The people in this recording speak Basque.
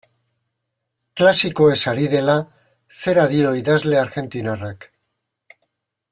Klasikoez ari dela, zera dio idazle argentinarrak.